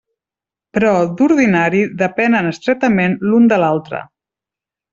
Però d'ordinari depenen estretament l'un de l'altre.